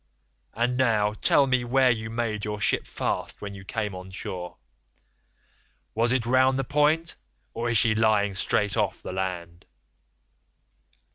And now tell me where you made your ship fast when you came on shore. Was it round the point, or is she lying straight off the land?